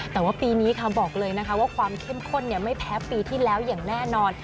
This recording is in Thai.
แต่ว่าปีนี้ค่ะบอกเลยนะคะว่าความเข้มข้นไม่แพ้ปีที่แล้วอย่างแน่นอน